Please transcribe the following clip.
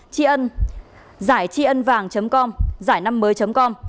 tin giải tri ân vàng com giải năm mới com